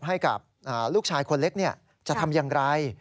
ให้กับลูกชายคนเล็กจะทำอย่างไร